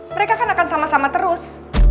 mereka kan akan sama sama terus